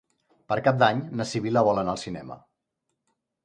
Per Cap d'Any na Sibil·la vol anar al cinema.